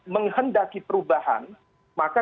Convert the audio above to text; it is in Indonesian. menghendaki perubahan maka